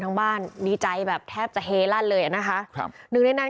ทั้งบ้านดีใจแบบแทบจะเฮลั่นเลยอ่ะนะคะครับหนึ่งในนั้น